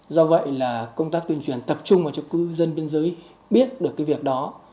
do vậy là công tác tuyên truyền tập trung vào cho cư dân biên giới biết được cái việc đó